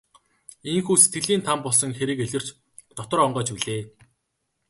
Ийнхүү сэтгэлийн там болсон хэрэг илэрч дотор онгойж билээ.